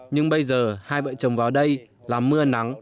nhưng bây giờ hai vợ chồng vào đây là mưa nắng